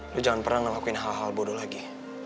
lu jangan pernah ngelakuin hal hal bodoh lagi